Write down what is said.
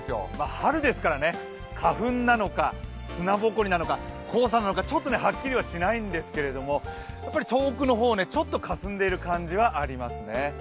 春ですから、花粉なのか砂ぼこりなのか、黄砂なのかはっきりはしないんですけれども遠くの方ちょっとかすんでる感じはありますね。